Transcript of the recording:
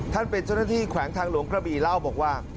เป็นเจ้าหน้าที่แขวงทางหลวงกระบี่เล่าบอกว่า